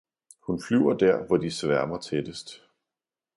Hun flyver der, hvor de sværmer tættest!